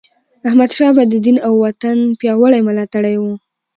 احمدشاه بابا د دین او وطن پیاوړی ملاتړی و.